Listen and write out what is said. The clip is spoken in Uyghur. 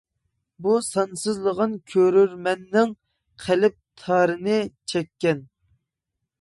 بۇ سانسىزلىغان كۆرۈرمەننىڭ قەلب تارىنى چەككەن.